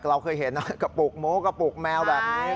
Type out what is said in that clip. เราเคยเห็นนะกระปุกหมูกระปุกแมวแบบนี้